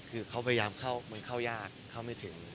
คือเขาพยายามเข้ามันเข้ายากเข้าไม่ถึง